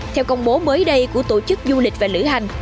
theo công bố mới đây của tổ chức du lịch và lữ hành